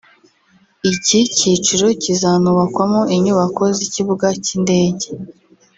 Iki cyiciro kizanubakwamo inyubako z’ikibuga cy´indege